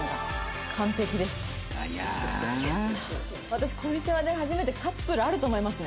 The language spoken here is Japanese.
私『恋セワ』で初めてカップルあると思いますね。